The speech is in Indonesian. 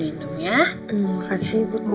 pendekatkan papa anak